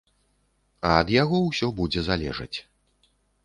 А ад яго ўсё будзе залежаць.